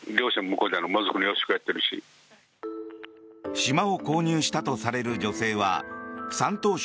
島を購入したとされる女性は山東省